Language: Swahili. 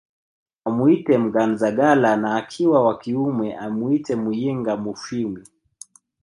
Amuite Mnganzagala na akiwa wa kiume amwite Muyinga Mufwimi